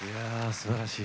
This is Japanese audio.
すばらしい。